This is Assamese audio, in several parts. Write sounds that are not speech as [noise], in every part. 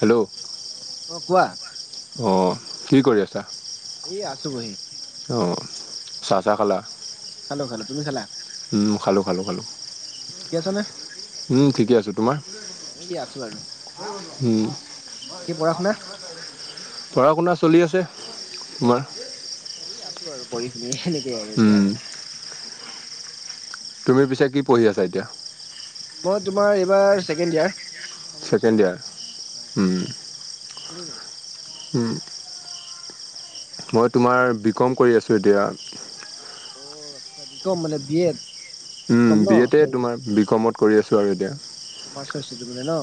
হেল্ল'। অ', কোৱা। অ', কি কৰি আছা? এই আছো বহি। অ', চাহ-তাহ খালা? খালো খালো, তুমি খালা? উম, খালোঁ খালোঁ খালোঁ। ঠিকে আছা নে উম, ঠিকে আছো। তোমাৰ? এই আছো আৰু উম। বাকী পঢ়া-শুনা? পঢ়া-শুনা চলি আছে। তোমাৰ? এই আছো আৰু পঢ়ি-শুনিয়ে সেনেকেই আৰু এতিয়া আৰু। তুমি পিছে কি পঢ়ি আছা এতিয়া? মই তোমাৰ এইবাৰ ছেকেণ্ড ইয়াৰ। ফাইনেল দিছো ছেকেণ্ড আৰু ইয়াৰ, উম। বুজিলো উম। মই তোমাৰ বি কম কৰি আছোঁ এতিয়া। অ', আচ্ছা বি কম মানে বি য়ে উম বি এতে তোমাৰ বি কমত কৰি আছোঁ আৰু এতিয়া হয় হয় কুমাৰ বোলে ন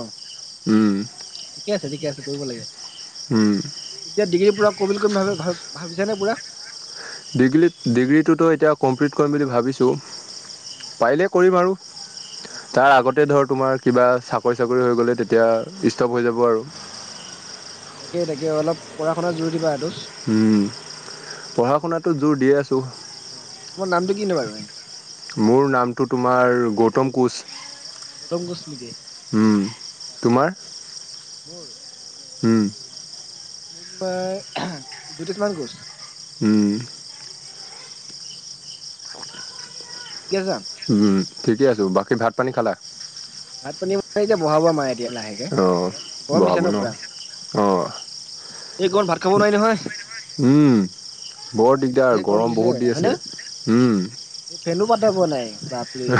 ঠিকে আছে ঠিকে আছে। কৰিব লাগে এতিয়া ডিগ্ৰী পুৰা ক কম ভাবি ভ ভাবিছ নে পুৰা। ডিগ্ৰী ডিগ্ৰীটোতো এতিয়া কমপ্লিট কৰিম বুলি ভাবিছোঁ পাৰিলে কৰিম আৰু- আচ্ছা তাৰ আচ্ছা আগতে ধৰ তোমাৰ কিবা চাকৰি চাকৰি হৈ গ'লে তেতিয়া ষ্টপ হৈ যাব আৰু- অ তাকেই তাকে অলপ পঢ়া শুনাৰ জৰুৰী পা সটো উম পঢ়া শুনাটো জোৰ দিয়ে আছো। অ অ। তোমাৰ নামটো কিনো [unintelligible] মোৰ নামটো তোমাৰ গৌতম কোঁচ। গৌতম কোচ নেকি- হম মোৰ জ্যোতিষমান কোচ- হম কিছা উম ঠিকে আছো বাকী ভাত পানী খালা ভাত পানী মানে বনাব মায়ে। তিয় লাহেকে অ গৰম দিছো ন পুৰা অ এইকমান ভাত খাব নোৱাৰি নহয়- উম বৰ দিগদাৰ জ গৰম দিছে বহুত দি হয়নে আছে উম ফেনো পাতা পোৱা নাই। বাপৰে।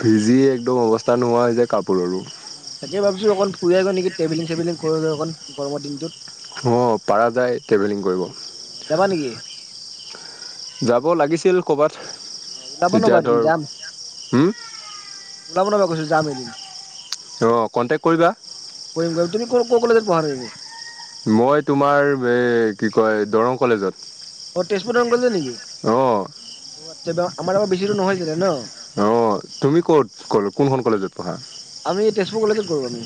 ভিজি একদম অৱস্থা নোহোৱা হৈ যায় কাপোৰৰো। উম, তাকে ভাবিছো অকণ ফুৰি আহোঁ গৈ নেকি, [unintelligible] কৰৈ অকণ গৰ দিনটোত। অঁ, পাৰা যায় ট্ৰেভেলিং কৰিব। যাবা নেকি? যাব লাগিছিল অ ওলাব ক'ৰবাত। নবা এতিয়া এদিন ধৰ, ল ব ন কৈছো জাম দ [unintelligible] অঁ, কণ্টেক্ট কৰিবা। কোন কলেজত পঢ়া তুমি? মই তোমাৰ এই কি কয় দৰং কলেজত। তেজপুৰৰ টাউন কলেজৰ নিকি? অঁ। অ, আচ্ছা আমাৰ ইয়াৰ পৰা বেছি দুৰ নহয়ছিলে ন? অ', তুমি ক'ত ক কোনখন কলেজত পঢ়া? আমি তেজপুৰ কলেজত কৰো আমি।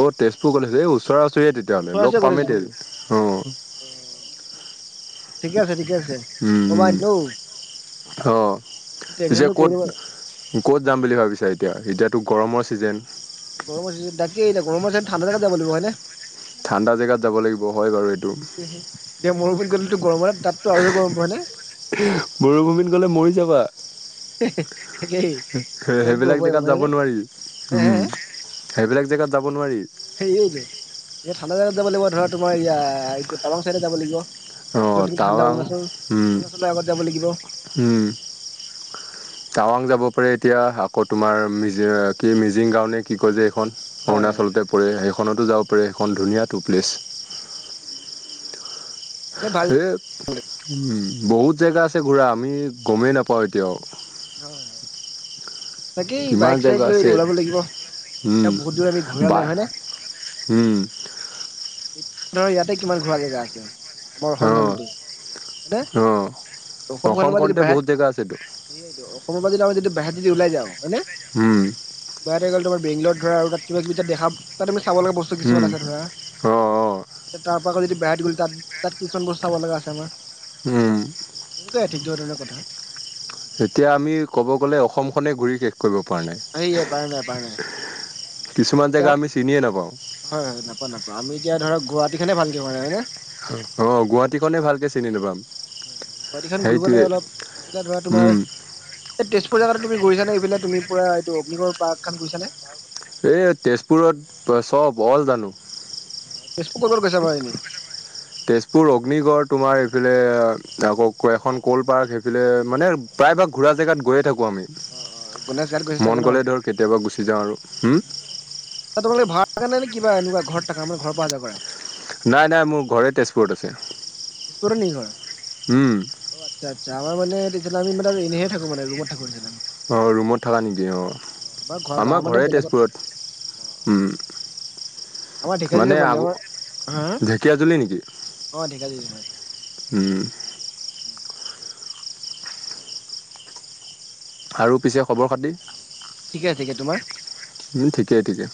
অ, তেজপুৰ কলেজ এই ওচৰে-ওচৰিয়ে তেতিয়াহ'লে ওচৰা ওচৰি লগ কলেজ পামেই তে অ। দেখোন। ঠিকে আছে ঠিকে আছে। উম, ক'বা উম। এনেও অ, পিছে ট্ৰেভেলিংটো কৰি ক'ত ল'ব ক'ত যাম বুলি ভাবিছা এতিয়া এতিয়া? এইটো গৰমৰ ছিজন। গৰমৰ চিজেন বাকী গৰমৰ ঠাণ্ডাে যাব লাগিব হয় নে? ঠাণ্ডা জেগাত যাব লাগিব হয় বাৰু এইটো সটোয় এিয়া মোৰোবিন গল [unintelligible] গৰম হয় ন তাততটো আৰু গৰম হয় নে? মৰুভূমিত গলে মৰি যাবা। তাকেই গৰমটো সেইবিলাক হ'বই জেগাত যাব হয়নে নোৱাৰি। হে উম, সেইবিলাক জেগাত যাব নোৱাৰি। সেইয়তো এ ঠাণ্ডা জাগাত যাব লাগিব। ধৰা তোমাৰ ইয়া এইটো টামাং চাইডে যাব লাগিব। অ', যতি ঠাণ্ডা টাৱাং অৰুণাচল, উম, অৰুণাচলৰ আগত যাব লাগিব। উম, টাৱাং যাব পাৰে এতিয়া, আকৌ তোমাৰ মিজ কি মিজিং গাঁৱ কি কয় যে? এখন হয় হয় অৰুণাচলতে পৰে সেইখনতো যাব পাৰে। সেইখন ধুনীয়া টু প্লেচ। উ। মানে ভাল উম, বহুত জেগা আছে ঘূৰা আমি গমেই নাপাওঁ এতিয়াও। হয়, হয়। তাকেই কিমান বাইক-চাইক জেগা লৈ আছে ওলাব লাগিব। বহুত দূৰ আমি ঘূৰা নাই হয় নে? হুম। ইয়াতে কিমান ঘুৰা জেগা আছে আমাৰ অঁ অসমখনতে। অঁ অসম খনৰ পৰা যদি অসমখনতে বাহিৰত বহুত জেগা আছেতো টো অসমৰ পৰা যদি আমিটো বাহিৰত যদি ওলাই যাও হয়নে? উম বাহিৰত গ'লে তোমাৰ'- বেংগলত ধৰা আৰু তাত কিবা-কিবি দেখা তাত আমি চাব লগা বস্তু উম কিছুমান আছে ধৰা। অঁ অঁ তাৰ পৰা আকৌ যদি বোইট গ'ল তাত। তাত কিছুমান বস্তু চাব লগা আছে আমাৰ। উম। সনেকুৱাই ঠিক ধৰণৰ কথা। এতিয়া আমি ক'ব গ'লে অসমখনেই ঘূৰি শেষ কৰিব পৰা নাই কৰিব পৰা নাই পৰা নাই। কিছুমান জেগা হয়, আমি চিনিয়ে নাপাওঁ হয় নাপা, নাপা আমি এতিয়া ধৰক গুৱাহাটী খনে ভালকে ঘুৰা নাই হয় নে? অ, গুৱাহাটীখনে ভালকে চিনি নেপাম। হয়, গুৱাহাটীখন ঘূৰিব লাগে অলপ ইফালে ধৰা তোমাৰ উম এই তেজপুৰ জেগাত তুমি ঘূৰিছানে এইবিলাক তুমি এইটো অগ্নিগড় পাৰ্ক খন গৈছানে‌? এই তেজপুৰত চব অল জানো। তেজপুৰ ক'ত ক'ত গৈছা বাৰু এনেই? তেজপুৰ অগ্নিগড় তোমাৰ। সেইফালে আকৌ ক এখন কল পাৰ্ক সেইফালে মানে প্ৰায় ভাগ ঘুৰা জেগাত গৈয়ে থাকো। কো আমি অ অ গণেশ ঘাট গৈছা মন চাগে ন? গলে ধৰ কেতিয়াবা গুছি যাও আৰু হোম। তোমালে ভাৰাত নে কিবা এনেকুৱা ঘৰ থাকা মানে ঘৰ পৰা অহা যোৱা কৰা। নাই নাই মোৰ ঘৰে তেজপুৰত আছে। তেজপুৰতে নেকি ঘৰ উম, অ আচ্ছা আ। ছা আমাৰ মে তেতিয়া আমি মানে এনেহে থাকো মান ৰুমত থাকো। অ ৰুমত থাকা নেকি অ অ' ঘৰ গাঁৱৰ আমাৰ মানে ঘৰে বেলেগত তেজপুৰত। অ' অ' উম। আমাৰ ঢেকীয়াজুলি মানে আগ আমাৰ হা ঢেঁকীয়াজুলি নেকি। অ' ঢেকীয়াজুলি হয়। উম। [unintelligible] আৰু পিছে খবৰ খাতি। ঠিকে ঠিকে তোমাৰ। উম ঠিকে ঠিকে।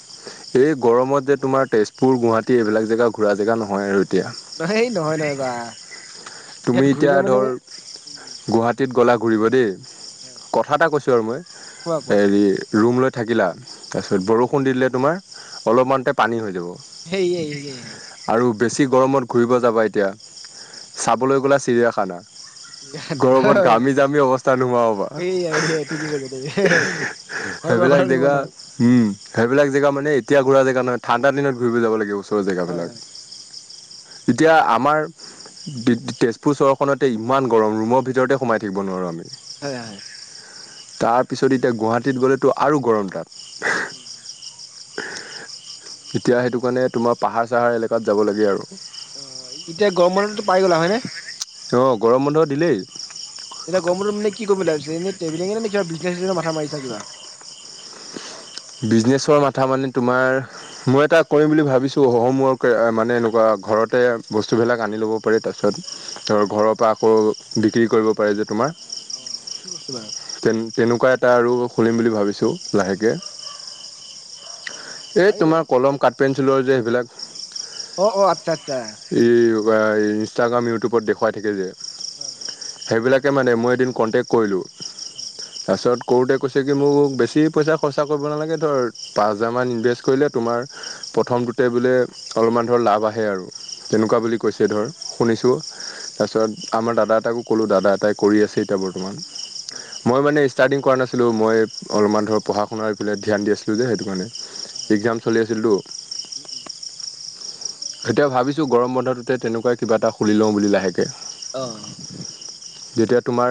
এই গৰমত যে তোমাৰ তেজপুৰ গুৱাহাটী এইবিলাক জেগা ঘূৰা জেগা নহয় আৰু। এতিয়া হেই নহয় নহয় বা। তুমি ইয়াত এতিয়া ঘূৰিলে মানে ধৰ। উম, গুৱাহাটীত গ'লা ঘূৰিব দেই হয় কথা এটা কৈছোঁ আৰু মই কোৱা কোৱা হেৰি। ৰুম লৈ থাকিলা তাৰপিছত বৰষুণ দি দিলে তোমাৰ। উম, অলপমানতে পানী হৈ যাব সেই এই এই হয়। আৰু। বেছি গৰমত ঘূৰিব যাবা এতিয়া। হয়। চাবলৈ গ'লে চিৰিয়াখানা। গৰমত ঘামি জামি অৱস্থা নোহোৱা হবা এইয়া এইয়া ঠিকে কৈছা তুমি হয় বাৰু সেইবিলাক কথাটো নোহোৱা জেগা নহয় উম সেইবিলাক জেগা মানে এতিয়া ঘুৰা জে। নহয় ঠাণ্ডা দিনত ঘূৰিব যাব লাগে ওচৰৰ হয় জেগাবিলাক এতিয়া আমাৰ। তেজপুৰ চহৰখনতে ইমান গৰম ৰুমৰ ভিতৰতে সোমাই থাকিব নোৱাৰোঁ আমি। হয় হয়। তাৰপিছত এতিয়া গুৱাহাটীত গ'লেতো আৰু গৰম তাত। এতিয়া সেইটো কাৰণে তোমাৰ পাহাৰ চাহাৰ এলেকাত যাব লাগে আৰু। অ এতিয়া গৰম বন্ধটো পাই গ'লা হয় নে। অ গৰম বন্ধ দিলেই। এতিয়া গৰমখনত মানে কি কৰিম বুলি ভাবিছা এনে ট্ৰেভেলিং নে কিবা বিজনেচ ছিচনেছৰ মাথা মাৰিছা কিবা। [unintelligible] বিজনেছৰ মাথা মানে তোমাৰ মই এটা কৰিম বুলি ভাবিছো হম ৱৰ্ক মানে এনেকুৱা। ঘৰতে বস্তুবিলাক আনি ল'ব পাৰি তাৰপিছত ধৰ ঘৰৰ পৰা আকৌ বিক্ৰী কৰিব পাৰে যিটো। মাৰ অ' কি বস্তু বাৰু? তেনেকুৱা এটা আৰু খুলিম বুলি ভাবিছোঁ লাহেকে। [inaudible] এই পাৰি বাৰু তোমাৰ কলম কাট পেঞ্চিলৰ যে সেইবিলাক। অ অ আচ্ছা। আচ্ছা এই ইনষ্টাগ্ৰাম ইউটিউবত দেখুৱাই থাকে যে। হয় হয়। সেইবিলাকে মানে মই এদিন কণ্টেক্ট কৰিলোঁ হয় তাৰপিছত। কৰোতে কৈছে কি মোক বেছি পইচা খৰচা কৰিব নালাগে ধৰ পাঁচ হোজাৰমান ইনভেষ্ট কৰিলে তোমাৰ। প্ৰথমটোতে বোলে অলপমান ধৰ লাভ আহে আৰু হয় তেনেকুৱা বুলি কৈছে ধৰ। শুনিছোঁ তাৰপিছত আমাৰ দাদা এটাকো ক'লোঁ দাদা এটাই কৰি আছে এতিয়া বৰ্তমান। হয় মই মানে। ষ্টাৰ্টিং কৰা নাোঁ মই অলপমান ধৰক পঢ়া শুনা এই পেলাই ধ্যান দি আছিলোঁ যে সেইটো কাৰণে। হয় হয় হয় এক্সাম চলি আছিলতো। উম উম এতিয়া ভাবিছো গৰম বন্ধটোতে তেনেকুৱাই কিবা এটা খুলি লওঁ বুলি লাহেকে। অ যেতিয়া তোমাৰ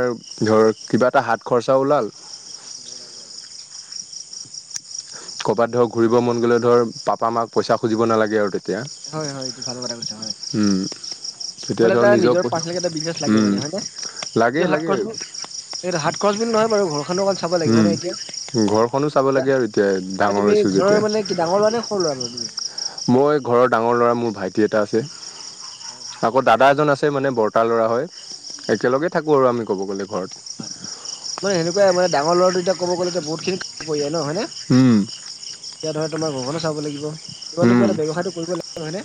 ধৰ কিবা এটা হাত খৰচা ওলাল [unintelligible] ক'ৰবাত ধৰ ঘূৰিব মন গ'লে ধৰ পাপা মাক পইচা খুজিব নালাগে আৰু তেয়া হয় হয় এইটো ভাল কথা কৈছা হয় এতিয়া উম তেতিয়া মানে ধৰ এটা নিজৰ পাৰ্চনে বিজনেছ লাগে উম মানে লাগে লাগে হাতখৰচ এই হাত খৰচ বুলী নহয় বাৰু ঘৰখনো অকণ চাব লাগিব উম নাই এতিয়া ঘৰখনো চাব লাগে আৰু এতিয়া য়া ডাঙৰ তুমি হৈছোঁ যেতিয়া ঘৰৰ মানে কি ডাঙৰ লৰা নে সৰু ল'ৰা মই ঘৰৰ ডাঙৰ ল'ৰা মোৰ ভাইটি এটা আছে হয় হয় আকৌ দাদা এজন আছে। মানে বৰ্তা ল'ৰা হয় হয় একেলগে হয়। থাকোঁ আৰু আমি ক'ব গ'লে ঘৰত মানে সেনেকোৱাই মানে ডাঙৰ ল'ৰাটো এতিয়া ক'ব গ'লে যে বহুত খিনি পৰি যায় ন হয়নে উম এতিয়া ধৰা তোমাৰ ঘৰখনো চাব লাগিব কিবা উম এটা ব্যৱসায়টো কৰিব লাগিব হয় নে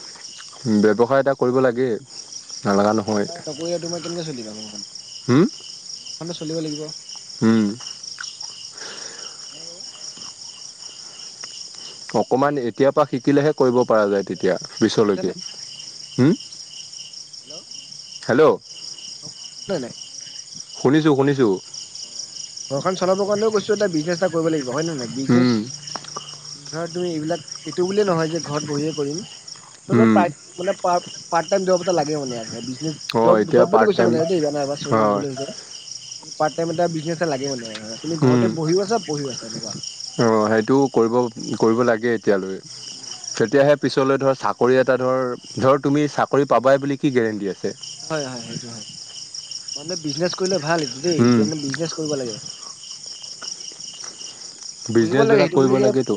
ব্যৱসায় এটা কৰিব লাগে নালাগা নহয় কৰি তোমাৰ কেনেকে চলিবা কোনখন উম খনো চলিব লাগিব [inaudible] হয়নে বাৰু অকমান এতিয়াৰ পৰা শিকিলেহে কৰিব পৰা যায় হেল্ল' তেতিয়া পিছলৈকে শুনিছানে হুম [unintelligible] শুনিছোঁ শুনিছোঁ অ ঘৰখন চলাবৰ কাৰণেও কৈছো এটা বিজনেছ এটা কৰিব লাগিব হয়ে নহয় নহয় বিজনেচ উম, ধৰা তুমি এইবিলাক এইটো বুলিয়ে নহয় যে ঘৰত বহিয়ে কৰিম উম, প্ৰায় মানে প পাট টাইম জব এটা লাগে মানে অ', এতিয়া জব বুলি পাৰ্ট কৈছে টাইম মানে দেই মানে সৌৰি মোৰ হয়, ভুল হৈছে পাৰত টাইম বিকনেজ এটা লাগে মানে আৰ উম আহ সেইটো কৰিব কৰিব লাগে। তেতিয়ালৈ তেতিয়াহে পিছলৈ ধৰ চ চাকৰি এটা ধৰ ধৰ তুমি চাকৰি পাবাই বুলি কি গেৰেণ্টি আছে হয় হয় সেইটো হয় মানে বিজনেছ কৰিলে ভাল দেই উম, বিজনেচ কৰিব লাগে পঢ়িব লাগে বিজনেছবিলাক সেইটো কৰিব বুলি যে লাগেতো,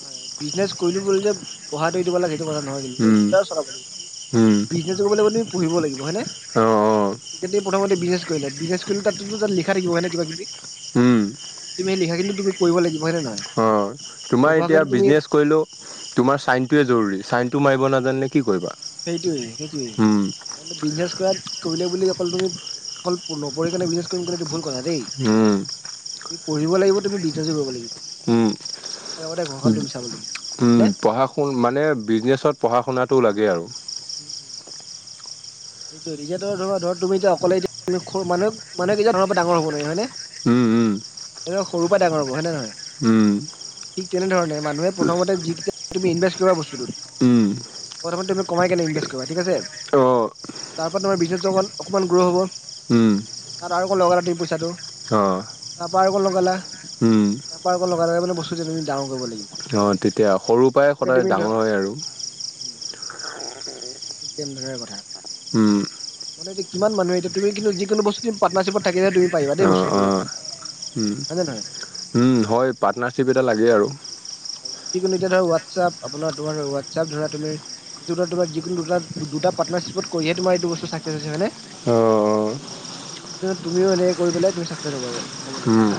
হয় বিজনেছ কৰিলো বুলি যে পঢ়াটো এৰি দিব লাগে সেইটো কথা নহয় কিন্তু দেই, উম। দুটাই চলাব লাগে। উম, বিজনেচ কৰিব লাগিব তুমি,, পঢ়িব লাগিব হয়নে, অ', অ', প্ৰথমতে বিচনেচ কৰিলে বিজনেছ কৰিলে তাতো লিখা থাকিব হয়ে কিবাকিবি হুম পঢ়িব লাগিব হয় নে নহয়? অঁ তোমাৰ এতিয়া নপঢ়াকেতো তুমি বিজনেছ কৰিলেও তোমাৰ ছাইনটোৱে জৰুৰী ছাইনটো মাৰিব নালাগে জানিলে কি কৰিবা সেইটোয়ে সেইটোয়ে উম, ম বিজনেছ কৰাত কৰিলে বুলি তুমি অকল পূৰ্ণ বি কৰিম এইটো ভুল কথা দেই উম। পঢ়িব লাগিব তুমি বিজনেচজো কৰিব লাগিব উম আৰু লগতে ঘৰখন তুমি চাব লাগিব উম হয়নে? পঢ়া শু মানে বিজনেছত পঢ়া শুনাটো লাগে আৰু [unintelligible] সেইটো এতিয়া ধৰ ধক তুমি এতিয়া অকলে মানুহে এতিয়া ধৰ ডাঙৰ হব নোৱাৰে হয়নে [unintelligible] উম উম এ সৰু পৰা ডাঙৰ হব হয় নে নহয় হুম ঠিক তেনেধৰণ মানুহে প্ৰথমতে যিকেইটা তুমি ইভেষ্ট কৰিবা বস্তুটো উম তুমি কমাই কেনে ইনভেষ্ট কৰিবা ঠিক আছে অ', তাৰপৰা তোমাৰ বিজনেছটো অল অকণমান গ্ৰ' হ'ব উম ত আৰু কো লগা পইচাটো। [unintelligible] অ তাৰ পৰাৰা আৰু ক লগালে। [unintelligible] উম পাৰ্ লগে ম ব্তুাও কৰিব লাগিব? [unintelligible] অঁ তেতিয়া সৰুৰ পৰাই গতিকে সদায় তুমি ধৰা ডাঙৰ হয় আৰু। সেই তেনে ধৰণৰে কথা। উম মানে কিমান মানুহ এতিয়া তুমি কিন্তু যিকোনো বস্তু পাতনাৰশ্বিপত থাকিলে তুমি পাইবা দেই অ বস্তটো অ কৰিব কাৰনে উম উম হয় পাৰ্টনাৰশ্বিপ এটা লাগে আৰু। যিকোনো এতিয়া ধৰ হোৱাটছআপ আপোনাৰ তোমাৰ হোৱাটছপ ধৰা তুমি। এই তোমাৰ যিকোন দুটা পাৰ্টনাৰশিপত কৰিহে তোমাৰ এইটো বস্ত চাকচেছ হৈছে হয়নে। অ স তুমিও এনেকে কৰি পেলাই তুমি চাকা থব যা। [unintelligible] হম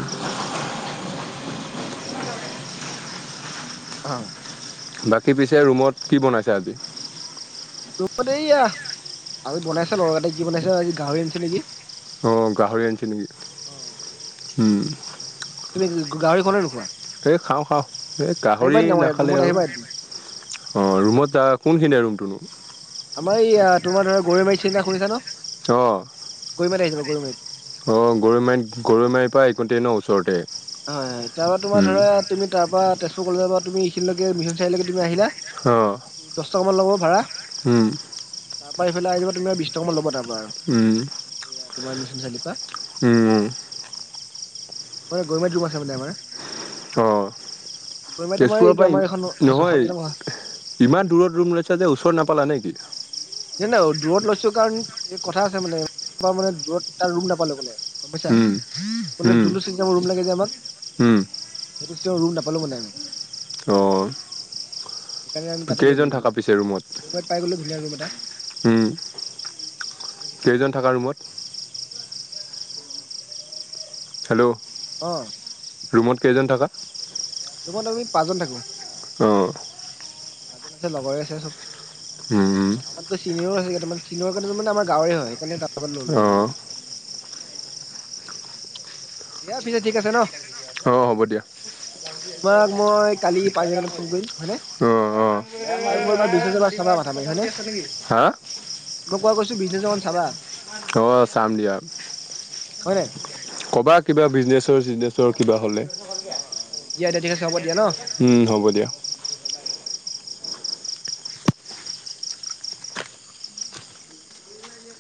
অ বাকী পিছে ৰুমত কি বনাইছে আজি। তত এইয়া আজি বনাইছে লৰাএতাই কি বনাইছে আজি গাহৰি আনিছে নেকি। অ গাহৰি আনিছে নেকি উম। তুমি গাহৰি খোৱা নো খোৱা। এই খাওঁ খাওঁ এই গাহৰি আমাৰ নাখালে ৰুমত আৰু। আহিবা এদিন। অঁ ৰুমত কোনখিনি ৰুমটোনো। আমাৰ ইয়া তোমাৰ ধৰা গৰৈ মাৰি চিনি শুনিছা ন। অ গৰিমাৰাট ঘৰ। [unintelligible] অ গৰৈ মাৰি গৰৈ মাৰিৰ পৰা একোট ন ওচৰতে। হয় হয় তাৰ পৰাৰা তোমাৰ উম ধৰা তুমি তাৰ পৰা তেজপুৰ কলেজৰ পৰা তুমি এইখিলৈকে মিন [unintelligible] চাৰআলকেমি আহিলা? অ চন মান ল'ব ভড়া। হম তাৰ পৰাৰা এইফালে আহি যাবা তুমি আৰু বিশ টকা মান ল'ব তাৰপা উম আৰু তোমাৰ মিছন চাৰিৰ পৰা। উম মানে গমেণ্ট ৰুম আছে মানে আমাৰ। অ গৰমাই তোমাৰ তেজপুৰৰ পৰা এইটো আমাৰ এখন স নহয় কেনেকুৱা। ইমান দূৰত ৰুম লৈছো যে ওচৰত নাপালা নেকি। জ নাই দূৰত লৈছো কাৰণ কথা আছে মানে মানে দূৰত ত ৰুম নাপালো মানে। গম পাইছা উম, উম, জোনটো চিন ৰোম লাগে। আমাক উম, চ ৰুম নাপালো মানে। অ', সেইকাৰণে আমি তাতে লৈ কেইজন ললো ম থাকা পিছে ৰুমত? আৰু মত পাই গলো ধুনীয়া ৰুম এটা। সেইকাৰণে কেইজন ইয়াতে লৈ থকা ৰুমত। হেল্ল' অ ৰুমত কেইজন থকা। তোমাৰ তুমি পাঁচজন থাকো। অঁ মাজত আছে লগৰে আছে চব উম, আমাৰতো চিনিয়ৰো আছে। চীনৰ কাৰণ মে আম গাঁৱৰে হয় সেইণে ললো মানে। অ', দিয়া পিছে ঠিক আছে ন। অ হ'ব দিয়া। তোমাক মই কালি পাঁ মান ফোন কৰিম। হয় নে অ', অ', আৰু মোৰ তাৰ বিশ হাজ চাবা মাথা মাৰ হয়নে। হা? কোৱা কৈছো বিজনেছ অমান চাবা। অ চাম দিয়া। হয়নে। কবা কিবা বিজনেচৰ চিজনেছৰ কিবা হ'লে। দিয় দে ঠিকছেব। উম হ'ব দিয়া।